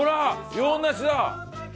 洋梨だ！